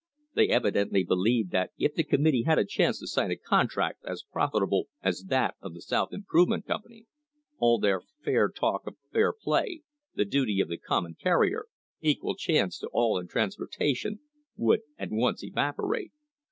They evidently believed that if the committee had a chance to sign a contract as profitable as that of the South Improve F™"t Company, all their fair talk of "fair play" — "the duty le common carrier" — "equal chance to all in transporta ■— would at once evaporate.